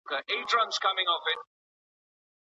د ذهن پټ رازونه لا هم کشف کیږي.